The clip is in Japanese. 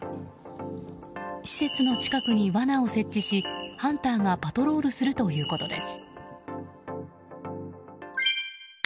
施設の近くに罠を設置しハンターがパトロールするということです。